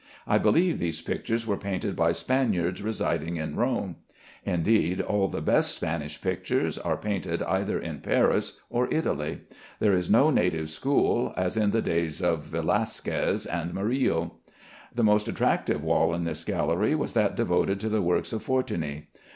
I believe these pictures were painted by Spaniards residing in Rome. Indeed all the best Spanish pictures are painted either in Paris or Italy. There is no native school, as in the days of Velasquez and Murillo. The most attractive wall in this gallery was that devoted to the works of Fortuny.